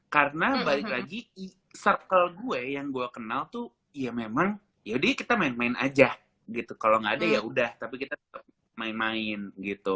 karena balik lagi circle gue yang gua kenal tuh ya memang ya udah ya kita main main aja gitu kalo nggak ada ya udah tapi kita tetep main main aja gitu